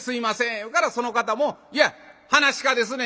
言うからその方も「いや噺家ですねん。